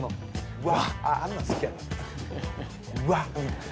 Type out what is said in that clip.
うわ！